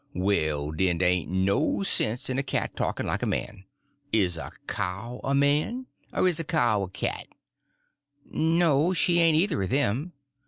"Well, den, dey ain't no sense in a cat talkin' like a man. Is a cow a man?—er is a cow a cat?" "No, she ain't either of them."